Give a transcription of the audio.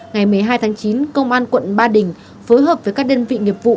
ngày một mươi hai tháng chín công an quận ba đình phối hợp với các đơn vị nghiệp vụ